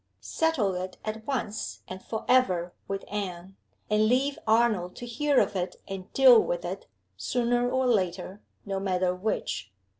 Settle it at once and forever with Anne; and leave Arnold to hear of it and deal with it, sooner or later, no matter which.